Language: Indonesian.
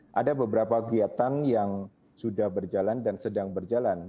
dan ada beberapa kegiatan yang sudah berjalan dan sedang berjalan